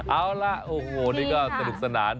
เอาล่ะโอ้โหนี่ก็สนุกสนาน